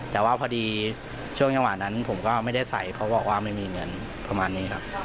แต่ว่าพอดีช่วงจังหวะนั้นผมก็ไม่ได้ใส่เขาบอกว่าไม่มีเงินประมาณนี้ครับ